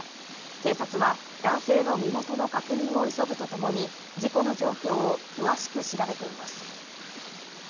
警察は男性の身元の確認を急ぐとともに事故の状況を詳しく調べています。